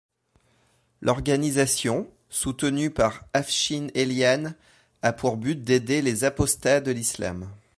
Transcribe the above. L'organisation, soutenu par Afshin Ellian, a pour but d'aider les apostats de l'islam.